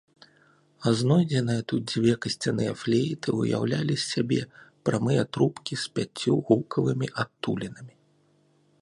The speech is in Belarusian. Знойдзеныя тут дзве касцяныя флейты ўяўлялі з сябе прамыя трубкі з пяццю гукавымі адтулінамі.